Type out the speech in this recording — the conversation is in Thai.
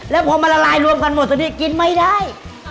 แล้วพอมาละลายรวมกันหมดตอนนี้กินไม่ได้